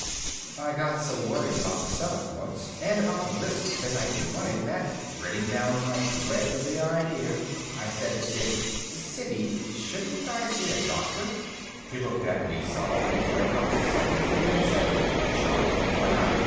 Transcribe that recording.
I got so worried about the set up once and about the risks they might be running that, gritting down my dread of the idea, I said to Sid, "Siddy, shouldn't I see a doctor?" He looked at me solemnly for a couple of seconds and then said, "Sure, why not?